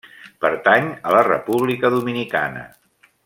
Pertany a la República Dominicana.